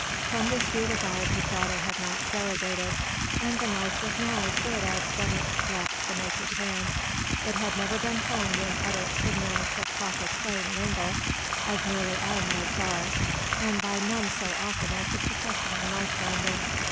From this due regard his daughter had not derogated, and the knife was now as good as when it left the maker's hand. It had never been honed in utter ignorance of proper plane and angle, as nearly all knives are, and by none so often as the professional knife grinder.